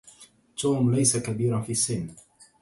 توم ليس كبيرا في السن